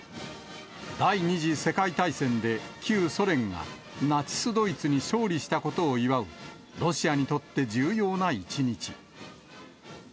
第２次世界大戦で旧ソ連が、ナチス・ドイツに勝利したことを祝う、ロシアにとって重要な一日。